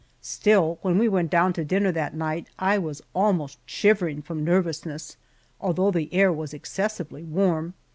Still, when we went down to dinner that night I was almost shivering from nervousness, although the air was excessively warm.